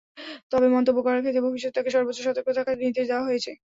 তবে মন্তব্য করার ক্ষেত্রে ভবিষ্যতে তাঁকে সর্বোচ্চ সতর্ক থাকার নির্দেশ দেওয়া হয়েছে।